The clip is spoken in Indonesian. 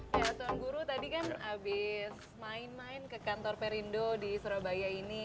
ya tuan guru tadi kan habis main main ke kantor perindo di surabaya ini